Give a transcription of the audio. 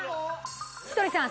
ひとりさん。